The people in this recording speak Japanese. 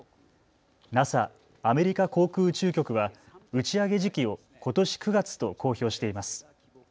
ＮＡＳＡ・アメリカ航空宇宙局は打ち上げ時期をことし９月と公表しています。